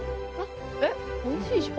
おいしいじゃん。